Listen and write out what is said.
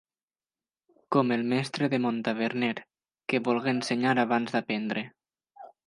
Com el mestre de Montaverner, que volgué ensenyar abans d'aprendre.